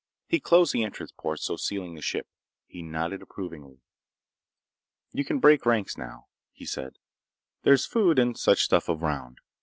He closed the entrance port, so sealing the ship. He nodded approvingly. "You can break ranks now," he said. "There's food and such stuff around.